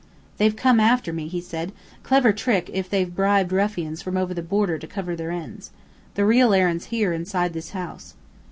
"They've come after me," he said. "Clever trick if they've bribed ruffians from over the border to cover their ends. The real errand's here, inside this house."